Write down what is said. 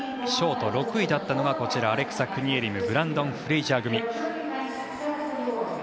ショート６位だったのがアレクサ・クニエリムブランドン・フレイジャー組。